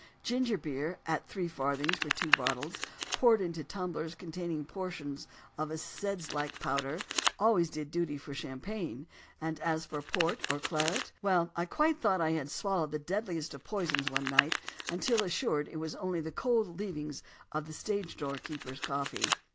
Ginger beer, at three farthings for two bottles, poured into tumblers containing portions of a seidlitz powder, always did duty for champagne; and as for port or claret well, I quite thought I had swallowed the deadliest of poisons one night, until assured it was only the cold leavings of the stage door keeper's coffee!